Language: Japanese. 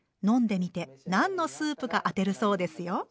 飲んでみて何のスープか当てるそうですよ。